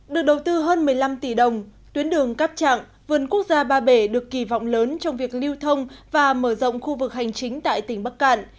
được đầu tư hơn một mươi năm tỷ đồng tuyến đường cáp trạng vườn quốc gia ba bể được kỳ vọng lớn trong việc lưu thông và mở rộng khu vực hành chính tại tỉnh bắc cạn